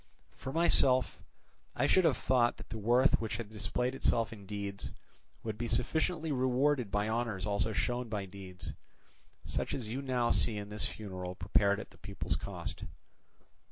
For myself, I should have thought that the worth which had displayed itself in deeds would be sufficiently rewarded by honours also shown by deeds; such as you now see in this funeral prepared at the people's cost.